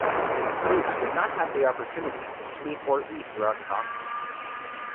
Recruits would not have the opportunity to sleep or eat throughout the Gauntlet.